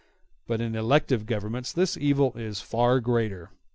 But in elective Governments this evil is far greater.